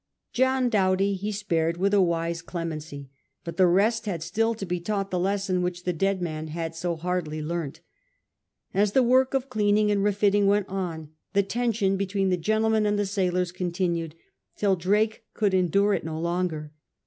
John Doughty he spared with a wise clemency ; but the rest had still to be taught the lesson which the dead man had so hardly learnt. As the work of cleaning and refitting weiit on, the tension between the gentlemen and the sailors continued, till Drake could endure it no longer.